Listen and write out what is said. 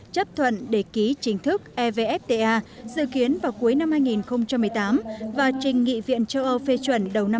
chấp thuận để ký chính thức evfta dự kiến vào cuối năm hai nghìn một mươi tám và trình nghị viện châu âu phê chuẩn đầu năm hai nghìn một mươi